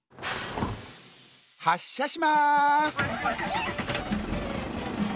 はっしゃします！